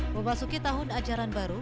memasuki tahun ajaran baru